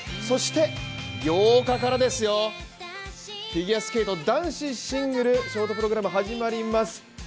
そして８日からですよ、フィギュアスケート男子シングルショートプログラム始まります。